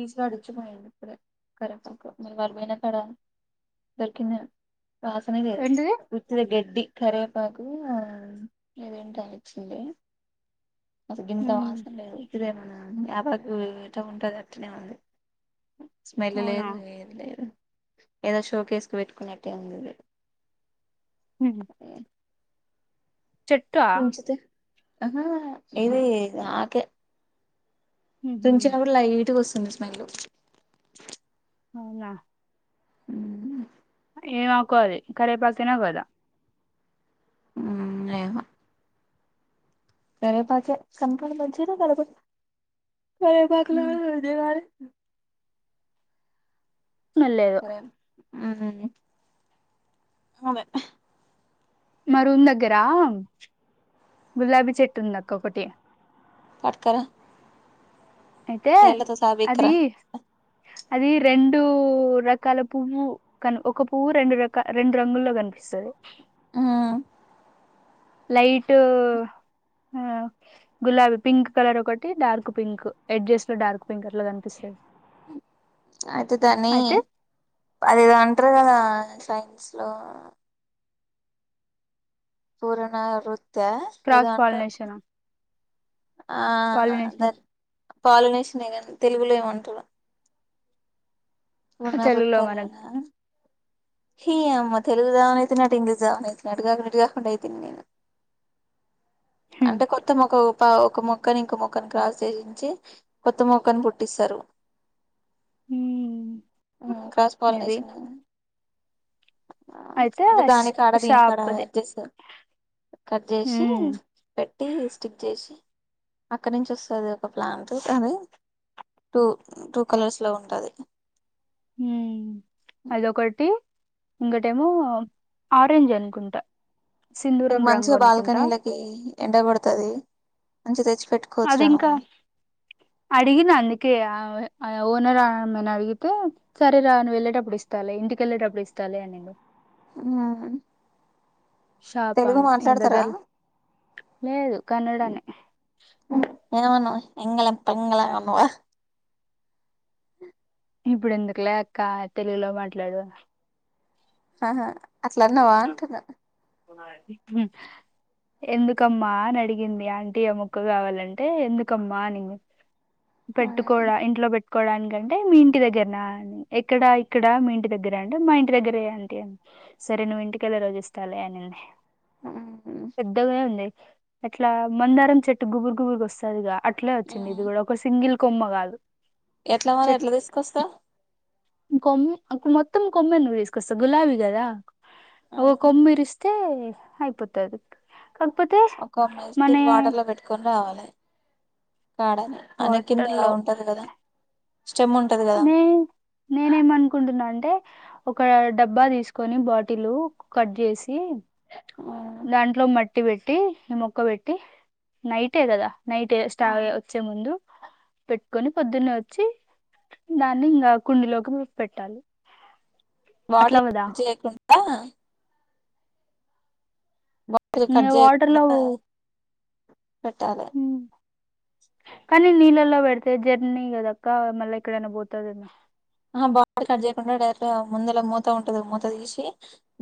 ఈస్గాడు వచ్చి పోయిండు ఇప్పుడే కారింపాకు మీర్గాడు పోయినాక అడా దొరికింది అను వాసనే లేదు ఏంటిది ఉత్తుదే గెడ్డి కరివే బాకు ఇదేంటాయనిచ్చిందే అసల్ గింత ఉమ్ వాసన్లేదు ఇదేమన్నా యాపాక్ [unintelligible] ఉంటాది ట్ ఏమన్నదీ స్మెల్ అవునా లేదు ఏద్లేదు ఏదో షో కేస్ కు పెట్టుకున్నట్టే ఉందిది ఉహు [unintelligible] చెట్టా అహా ఇది నాకే ఉహు తుంచినపుడు లైట్ గొస్ వుంది స్మెల్లు అవునా హ్మ్ ఏమాకో అది కరివేపాకేనా కాదా మ్మ్ ఏమో కరివేపాకే [unintelligible] కరివేపాక్ ఉమ్ లాగుంది మరి స్మెల్ లేదు కరే మ్మ్ హ్మ్ అదే మరూమ్ దగ్గరా గులాబీ చెట్టు ఉందక్క ఒకటి పట్క రా అయితే అది అది రెం డు రకాల పువ్వు కన్ ఒక పువ్వు రెండు రకా రెండు రంగుల్లో కనిపిస్సది ఆ లైట్ గులాబీ పింక్ కలర్ ఒకటి డార్క్ పింక్ ఎడ్జస్ లో డార్క్ పింక్ అట్లా కనిపిస్సది. అయితే దాన్ని అదేదో అంట్ర గదా సైన్స్లో పూరణ ఋత్ త్యా ఏదో క్రాస్ అంటా పాలినేషన్ ఆ పాలినేషన్ దర్ పాలనేషినే గాని తెలుగులో ఏమంట్రు తెలుగులో పునరుత్తరణ మనకి హీ యమ్మ తెలుగు జౌవనైత నట్ ఇంగ్లీష్ జవనైయి నట్ అటుగాకుం ఇటూగాకుండ అయితిని నేను అంటే కొత్తమొక ఒక ఒక మొక్కని ఇంక మొక్కను క్రాస్ చేయించి కొత్త మొక్కను పుట్టిస్సారు హ్మ్ మ్మ్ క్రాస్ మేబి పాలినేషన్ అయితే అంటే ష్ దాని కాడ దీని కాడ షాప్ది జేస్సర్ కట్ జేసి హ్మ్ పెట్టి స్టిక్ జేసి అక్కడి నుంచి వస్తది ఒక ప్లాంట్ అది టూ టూ కలర్స్ లో ఉంటది మ్మ్ అదొకటి ఇంగోటేమో ఆరెంజ్ అనుకుంటా మీకు సింధూరం రంగు మంచిగా అనుకుంటా బాల్కనీలకి ఎండ కొడుతది మంచిగ తెచ్చు అది ఇంకా అడిగిన అందు కే అవె అమె ఓనర్ ఆమెను అడిగితే సరే రాను వెళ్ళేటప్పుడు ఇస్తాలే ఇంటికెళ్ళేటప్పుడు ఇస్తాలే అనింది ఆ షాపా ఇంగ దగ్గర్ లో లేదు కన్నడనే ఎంగ్లం పెంగ్లం అన్నావా ఇప్పుడు ఎందుకులే అక్క తెలుగులో మాట్లాడు ఆహా అట్లా అన్నావా అంటున్నా ఎందుకమ్మా అని అడిగింది ఆంటీ ఆ మొక్క కావాలంటే ఎందుకమ్మా అనింది మ్మ్. పెట్టుకోడా ఇంట్లో పెట్ కోవడానికంటే మీ ఇంటి దగ్గర్నా అని ఎక్కడ ఇక్కడ మీ ఇంటి దగ్గర అంటే మా ఇంటి దగ్గరే ఆంటీ అని సరే నువ్వుంటికెళ్లే రోజు ఇస్తాలే అనింది మ్మ్. పేద్దగా ఉంది అట్లా మందారం చెట్టు గుబురు గుబుర్గా వస్తదిగా అట్లే వచ్చింది ఇది మ్మ్. కూడా ఒక సింగిల్ కొమ్మ కాదు ఎట్లా మరి ఎట్లా తీసుకొస్తావ్ కొమ్ అక్ మొత్తం కొమ్మ నువ్వు తీసుకొస్తావ్ గులాబీ కదా మ్మ్. ఒకొమ్మరిస్త్ ఐతే అయిపోతది కాకపోతే ఒక మన మేస్త్రి వాటర్ లో పెట్టుకొని రావాలి కాడని అన కింద వాటర్ లో ఉంటది కదా స్టెమ్ ఉంటది కదా నే నేనేమనుకుంటున్నాండి అంటే ఒక డబ్బా తీసుకొని బాటిల్ కట్ చేసి మ్మ్. దాంట్లో మట్టి కట్టి పెట్టి ఈ మొక్క పెట్టి నైటే కదా నైట్ స్టా వచ్చే ముందు పెట్టుకొని పొద్దున్న వచ్చి దాన్ని ఇంకా కుండలోకి మ పెట్టాలి వాటి అట్లా కదా చేయకుండా బాటిల్ వాటర్లో పెట్టాల ఉమ్. కానీ నీళ్లెలా పెడితే జర్నీ కదాకా మళ్ళా ఇక్కడనా పోతుదమ బా కట్ చేయకుండా డైరెక్ట్ ముందులా మూత ఉంటది మూత తీసి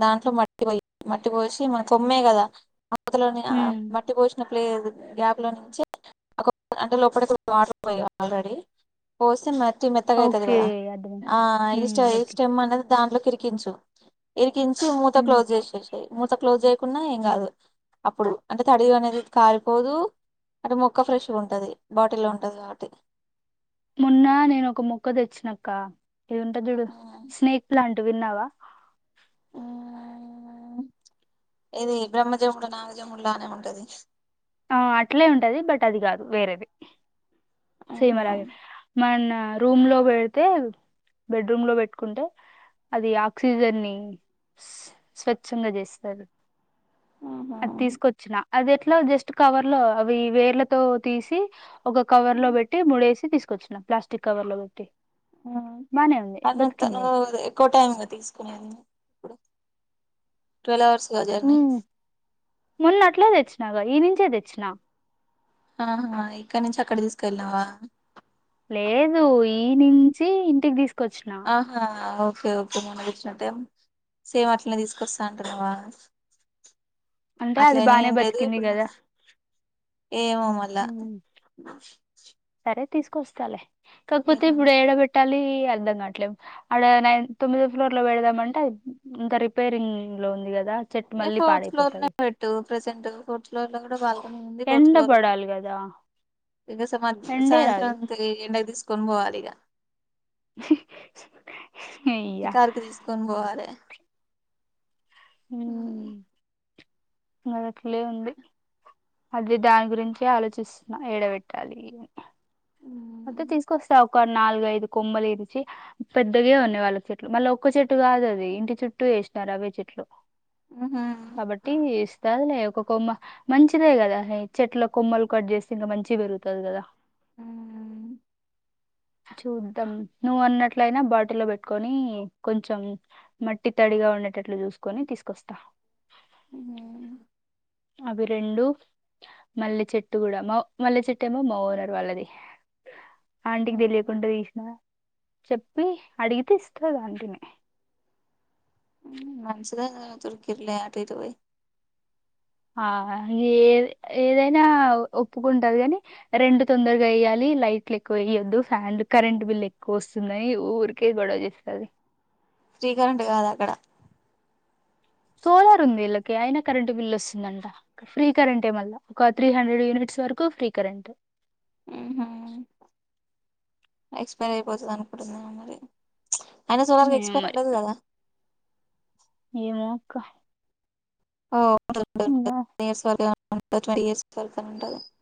దాంట్లో మట్టి పో మట్టి పోసి మన కొమ్మే కదా అతలోని ఉమ్, మట్టి పోసిన ప్లేదు గ్యాప్లో నుంచి ఒక గంట లోపటి ఆడర్ పో ఆల్రెడీ పోసి మ మ్ ఎత్తగా అయిది ఓకే కదా అర్థం ఆ ఉమ్, ఇష్ట ఓకే ఇష్టమ్మన దాంట్లోకిిరికించు కించి మూత ఉమ్. క్లోజ్ చేసేసియి మూత క్లోజ్ చేయ కున్నా ఏం కాదు అప్పుడు అంటే తడివి అనేది కాలిపోదు అంటే మొక్క ఫ్రెష్గా ఉంటది బాటిల్లో ఉంటది కాబటి మన్న నేను ఒక మొక్క తెచ్చినక్క ఏ ఉంటాంది చూడు స్నేక్ లాంటి విన్నావా ఆ ఇది బ్రహ్మజముడు నాగజమ్ముడులానే ఉంటది ఆ అట్లే ఉంటది బట్ అది కాదు వేరేది ఆహా సేమలాగే మొన్న రూమ్ లో పెడితే బెడ్రూమ్ లో పెట్టుకుంటే అది ఆక్సిజన్ని స్వచ్ఛంగా చేస్తారు ఆహా అది తీసుకొచ్చిన అది ఎట్లా జస్ట్ కవర్ లో అవి వేర్లతో తీసి ఒక కవర్ లో పెట్టి ముడేసి తీసుకొచ్చినం ప్లాస్టిక్ కవర్ లో పెట్టి బానే ఉంది అ తను బతికింది ఎక్కువ టైముగా తీసుకునేది ఇప్పుడు ట్వల్వ్ అవర్స్ జారుని ఉమ్, మొన్న అట్లే తెచ్చినాక ఈ నుంచే తెచ్చినా ఆహాహా ఇక్కడ నుంచి అక్కడ తీసుకెల్న్నావా లేదు ఈ నుంచి ఇంటికి తీస్ ఆహా ఒక్ ఓకే ఓకే మొన్న తేచ్చినట్టే సేమ్ అట్లనే తీసుకొస్తా అంటున్నావా అంటే అది అట్లయినా బానే ఏం లేదు బతికింది ఇప్పుడు కదా ఏమో మళ్ళా అరే తీసుకొస్తలే కక్పోతే ఇప్పుడు ఎడబెట్టాలి అర్దంగా పెట్లేవ్ ఆడా నైన్త్ తొమ్మిదో ఫ్లోర్ లో పెడదామంటే అద్ ఇంకా రిపేరింగ్ లో ఉంది కదా చెట్టు ఏ మళ్ళీ ఫోర్త్ ఫ్లోర్ లో పాడైపోతది పెట్టు ప్రెజెంట్ ఫోర్త్ ఫ్లోర్ లో కూడా బాగ్ కొంతమంది ఫోర్త్ ఎండ ఫ్లోర్లో కూడా పడాలి కదా [unintelligible] ఎండే రాదు సాయంత్రం తెలి ఈ ఎండ తీస్క్ కొన్బోవలిగా అయ్యా షికార్కి తీసుకొని పోవాలే హ్మ్ మొదట్లో ఉంది అది దాని గురించే ఆలోచిస్తున్నా ఎడబెట్టాలి అని అయితే తీసుకొస్తా ఒక నాలుగైదు కొమ్మలు ఇరిచి పెద్దగే ఉన్నాయి వాళ్ళ చెట్లు మళ్ళీ ఒక్క చెట్టు కాదు అది ఇంటి చుట్టూ వేసినారు అవే చెట్లు ఉహు. కాబట్టి ఇస్తాద్లే కొమ్మ మంచిదే కదా చెట్ల కొమ్మలు కట్ చేసి ఇంకా మంచి గా పెరుగుతది కదా ఉ చూద్దాం నువ్వు అన్నట్లయినా బాటిల్లో పెట్టుకొని కొంచెం మట్టి తడిగా ఉండేటట్లు చూసుకొని తీసుకొస్త ఉమ్ అవి రెండు మల్లె చెట్టు కూడా మ మల్లె చెట్టు ఏమో మ ఓనర్ వాళ్ళది ఆంటికి తెలియకుండా తీసిన చెప్పి అడిగితే ఇస్తా దాంటిని మనసుద తుడుకర్లే ఆటరు పోయి ఆ ఏ ఏదైనా ఒప్పుకుంటంది కానీ రెండు తొందరగా వేయ్యాలి లైట్లు ఎక్కువ వేయొద్దు ఫ్యాన్లు కరెంట్ బిల్ ఎక్కువ వస్తుందని ఊరికే గొడవ చేస్తుంది ఫ్రీ కరెంట్ కాదు అక్కడ సోలార్ ఉంది వీళ్ళకి అయినా కరెంట్ బిల్ వస్తుందంట ఫ్రీ కరెంటే మళ్ళా ఒక త్రీ హండ్రెడ్ యూనిట్స్ వరకు ఫ్రీ కరెంట్ ఉహు. ఎక్స్పైర్ అయిపోతుంది అనుకుంటుంది ఏమో మరి అయినా సోలార్ కి ఏమో ఎక్స్పైర్ మరి ఉండదు కదా ఏమో అక్క ఓ [unintelligible] ఇంగా ట్వంటీ ఇయర్స్ వర్తని ఉంటదు [unintelligible]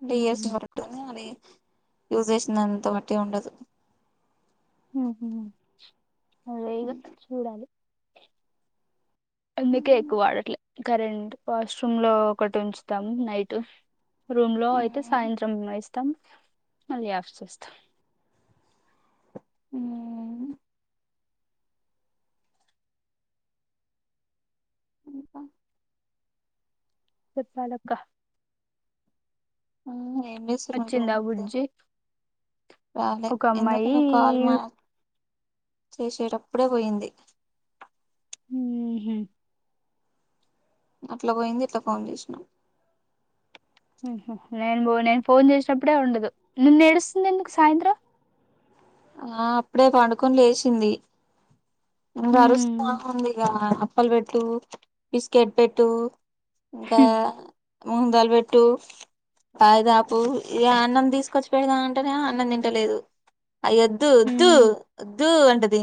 స్ంది [inaudible] యూస్ చేసినంత మాటే ఉండదు హు హు అదేదో ఉమ్. చూడాలి అందుకే ఎక్కువ వాడట్లే కరెంట్ వాష్ రూమ్ లో ఒకటి ఉంచుతాం నైట్ రూమ్ లో అయితే సాయంత్రం ఎస్ త్తం మళ్ళీ ఆఫ్ చేస్తాం హ్మ్ ఇంకా చెప్పాలక్క మ్మ్ ఏ అచ్చిందాబుజ్జి రాలే ఇందాక నే కాల్ మ చేసేటప్పుడే పోయింది మ్మ్ హ్మ్ అట్లా పోయింది ఇట్లా ఫోన్ జేసినావ్ మ్మ్ హ్మ్ నేను బో నేను ఫోన్ చేసినప్పుడే ఉండదు నిన్న ఏడుస్తుంది ఎందుకు సాయంత్రం ఆ అప్పుడే పండుకోని లేసింది ఇంగ అరుస్తా ఉమ్, ఉంది ఇగ అప్పల్ బెట్ టు బిస్కెట్ పెట్టు ఇంకా హుం, మూంగ్ దాల్ బె ట్టు పాయిదాపు ఇ అన్నం తీసుకొచ్చి పెడదాం అంటేనేమో అన్నం తింటలేదు అయ్యొద్దు వద్దు ఉమ్. వద్దు అంటది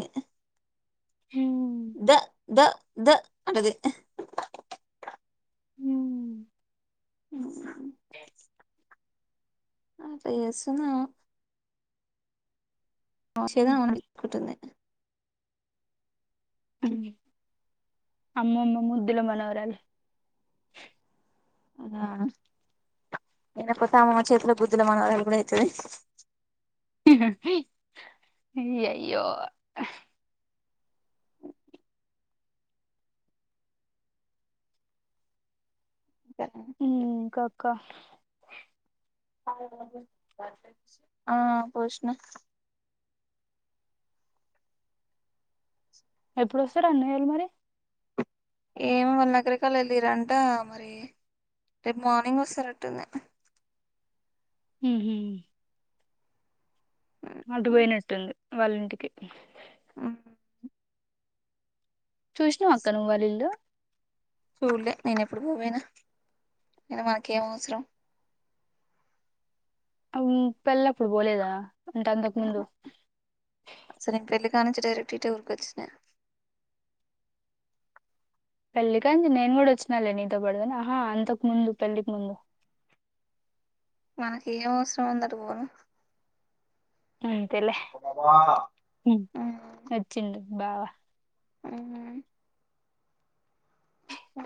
మ్ ద ద ద అంటది హ్మ్ మ్ అట్ల చేస్తుందేమో ేనుందే [inaudible] మ్ అమ్మమ్మ ముద్దుల మనవరాలు మ్ నేను కొత్తే అమ్మమ్మ చేతుల గుద్దుల మానవరాలు కూడా ఐతది హహహ అయ్యో మ్ కాక ఆ పోసిన ఎప్పుడు వస్తారు అన్నయ్యేలు మరి ఏమో వాళ్ళు నకిరేకల్ వెళ్ళిరంట మరి రేపు మార్నింగ్ వస్తారట్టుంది మ్ హు అటు పోయినట్టుంది వాళ్ళింటికి ఆ చూసిన అక్క నువ్్వళిల్లు చూడలే నేను ఎప్పుడు పోపోయినా న మనక ఏం అవసరం పెళ్ల్ళప్పుడు పోలేదా అంటే అంతకు ముందు కాని డైరెక్ట్ ఉరుకుచ్చినే పెళ్ళకిం నేను కూడా వచ్చినా లే నీతో పడుదను ఆహా అంతకు ముందు పెళ్ళికి ముందు మనకి ఏం అవసరం ఉందట పోను ఆ అంతేలే వచ్చిండు బావా అ అ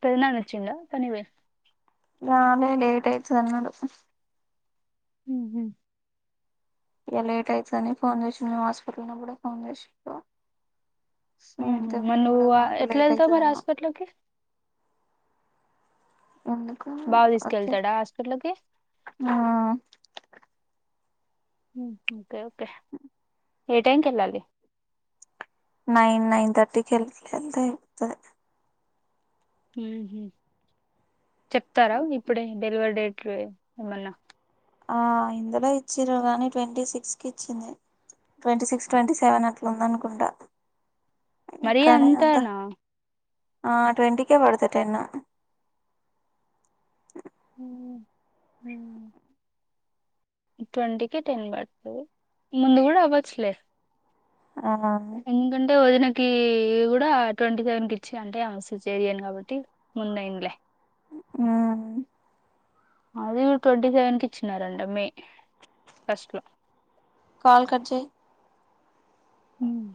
పెదనాన్న వచ్చిండా పనికి పోయి రాలే లేేట్ అయితుంది అన్నారు హ ఇక లేట్ అవుతుని ఫోన్ చేసిడు మేము హాస్పిటల్ లో కూడా ఫోన్ చేసిండు అంతే మన మేము నువు కూడా మాకు ఎట్ల లేట్ ఎల్తవ్ అయితది మరి అన్నాం హాస్పిట లోకి ఎందుకా బావ వచ్చే తీసుకెళ్తాడా హాస్పిటల్కి ఆ హ ఒకే ఒకే ఏ టైంకి వెళాలి నైన్ నైన్ థర్టీకిళ్లే అంతా ఇతుంది హ చెప్తారా ఇప్పుడే డెలివరీ డేట్లు ఏమన్నా ఇందులో ఇచ్చిర కానీ ట్వంటీ సిక్స్కి ఇచ్చింది ట్వంటీ సిక్స్ ట్వంటీ సెవెన్ అట్లా ఉంద అనుకుంటా మర కానీ అంతా అంత నా ఆ ట్వెంటకే పడుతు టెన్ ట్వంటీకి టెన్ పడుతది ముందు కూడా అవ్వచ్చలే ఎందుకంటే వదినక్ కి కూడా ట్వంటీ సెవెన్ క ఇచ్చి అంటే ఆమె సిస్సెరైన్ కాబట్టి ముందు అయిందిలే మ్మ్ అది కూడ ట్వంటీ సెవెన్కి ఇచ్చినరంటా మే ఫస్ట్లో కాల్ కట్ చేయి మ్మ్